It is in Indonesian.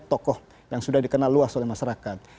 tokoh yang sudah dikenal luas oleh masyarakat